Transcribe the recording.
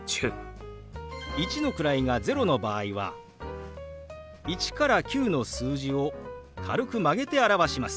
１の位が０の場合は１から９の数字を軽く曲げて表します。